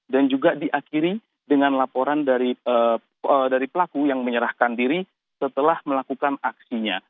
dan juga diakhiri dengan laporan dari pelaku yang menyerahkan diri setelah melakukan aksinya